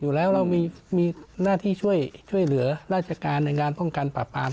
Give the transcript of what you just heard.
อยู่แล้วมีหน้าที่ช่วยช่วยเหลือราชการในงานพร้อมการปรับปราม